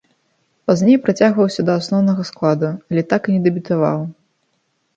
Пазней прыцягваўся да асноўнага складу, але так і не дэбютаваў.